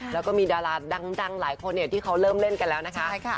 แล้วก็มีดาราดังหลายคนที่เขาเริ่มเล่นกันแล้วนะคะ